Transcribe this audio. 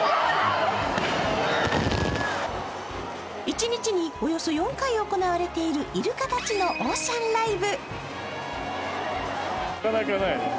一日におよそ４回行われているイルカたちのオーシャンライブ。